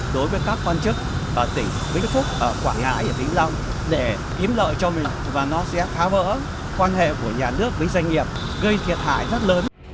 để kiếm lợi cho mình và nó sẽ phá vỡ quan hệ của nhà nước với doanh nghiệp gây thiệt hại rất lớn